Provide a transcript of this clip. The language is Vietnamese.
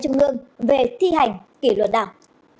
của ubnd về thi hành kỷ luật đảng